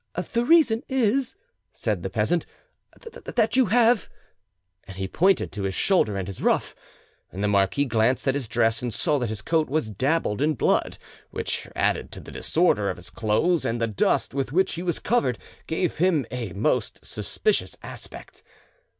"The reason is," said the peasant, "that you have——", and he pointed to his shoulder and his ruff. The marquis glanced at his dress, and saw that his coat was dabbled in blood, which, added to the disorder of his clothes and the dust with which he was covered, gave him a most suspicious aspect.